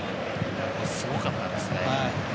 すごかったですね。